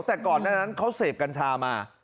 แต่ก่อนหน้านั้นเขาเสพกัญชามา